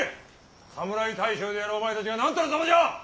侍大将であるお前たちが何たるざまじゃ！